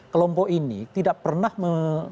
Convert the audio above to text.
kelompok ini tidak pernah